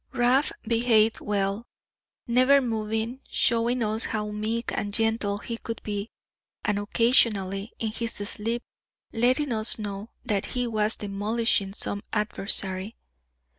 Rab behaved well, never moving, showing us how meek and gentle he could be, and occasionally, in his sleep, letting us know that he was demolishing some adversary.